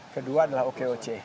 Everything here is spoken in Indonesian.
kedua adalah okoc